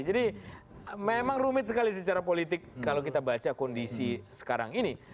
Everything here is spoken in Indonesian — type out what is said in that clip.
memang rumit sekali secara politik kalau kita baca kondisi sekarang ini